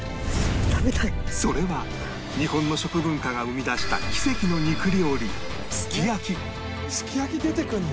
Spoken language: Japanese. それは日本の食文化が生み出した奇跡の肉料理すき焼き出てくるの？